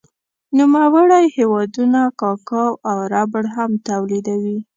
نوموړی هېوادونه کاکاو او ربړ هم تولیدوي.